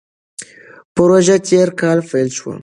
پروژه تېر کال پیل شوه.